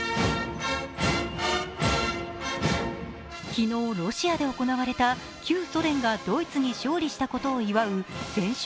昨日、ロシアで行われた旧ソ連がドイツに勝利したことを祝う戦勝